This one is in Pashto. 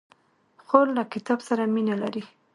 خور له کتاب سره مینه لري.